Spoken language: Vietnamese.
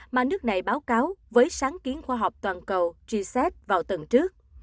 mà nước này báo cáo với sáng kiến khoa học toàn cầu g set vào tuần trước